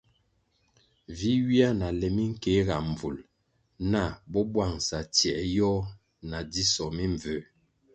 Vi ywia na le minkeega mbvul nah bo bwangʼsa tsie yoh na dzisoh mimbvū.